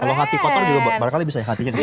kalau hati kotor juga barangkali bisa ya hatinya gitu